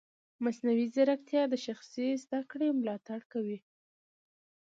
مصنوعي ځیرکتیا د شخصي زده کړې ملاتړ کوي.